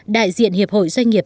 đại diện hiệp hội doanh nghiệp